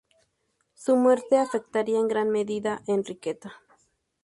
Su muerte afectaría en gran medida a Enriqueta.